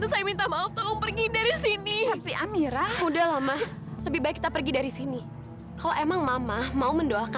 sampai jumpa di video selanjutnya